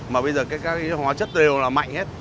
mà bây giờ các hóa chất đều là mạnh hết